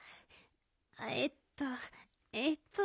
えっとえっと。